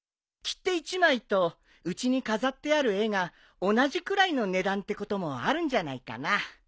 切手１枚とうちに飾ってある絵が同じくらいの値段ってこともあるんじゃないかな。